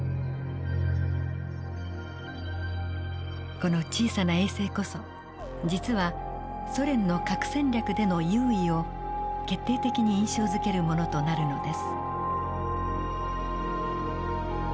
この小さな衛星こそ実はソ連の核戦略での優位を決定的に印象づけるものとなるのです。